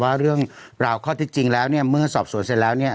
ว่าเรื่องราวข้อที่จริงแล้วเนี่ยเมื่อสอบสวนเสร็จแล้วเนี่ย